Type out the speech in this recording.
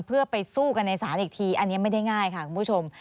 เพื่อไปสู้กันในศาลอีกทีอันนี้ไม่ได้ง่ายค่ะคุณผู้ชม